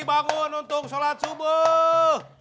bangun untuk sholat subuh